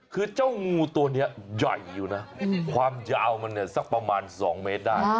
คือเจ้างูตัวนี้ใหญ่อยู่นะความยาวมันเนี่ยสักประมาณ๒เมตรได้